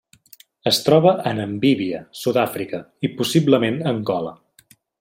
Es troba a Namíbia, Sud-àfrica, i possiblement Angola.